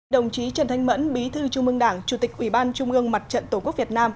đồng chí trần thanh mẫn bí thư trung ương đảng chủ tịch ủy ban trung ương mặt trận tổ quốc việt nam